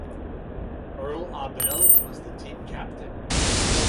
Earl Abell was the team captain.